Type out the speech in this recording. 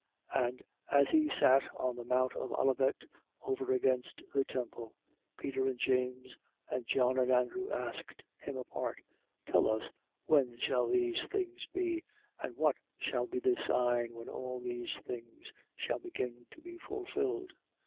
13:3. And as he sat on the mount of Olivet over against the temple, Peter and James and John and Andrew asked him apart: 13:4. Tell us, when shall these things be and what shall be the sign when all these things shall begin to be fulfilled?